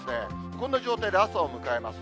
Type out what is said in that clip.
こんな状態で朝を迎えます。